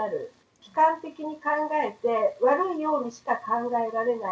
悲観的に考えて悪いようにしか考えられない